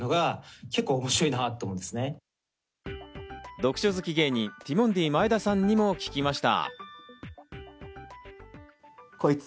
読書好き芸人、ティモンディ・前田さんにも聞きました。